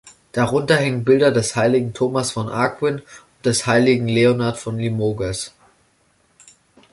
Darunter hängen Bilder des heiligen Thomas von Aquin und des heiligen Leonhard von Limoges.